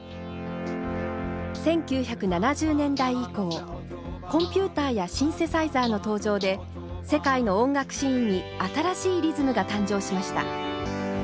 １９７０年代以降コンピューターやシンセサイザーの登場で世界の音楽シーンに新しいリズムが誕生しました。